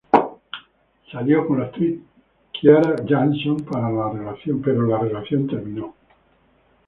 Salió con la actriz Ciara Janson, pero la relación terminó.